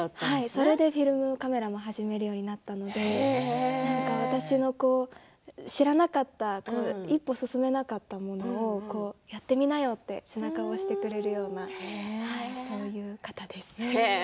それでフィルムカメラを始めるようになったので私の知らなかった一歩進めなかったものをやってみなよと背中を押してくれるような方です。